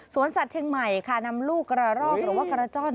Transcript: สัตว์เชียงใหม่ค่ะนำลูกกระรอกหรือว่ากระจ้อน